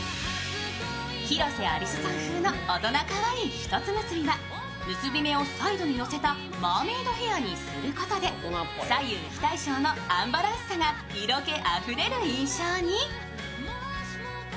広瀬アリスさん風の大人かわいい一つ結びは結び目をサイドに寄せたマーメードヘアにすることで左右非対称のアンバランスさが色気あふれる印象に。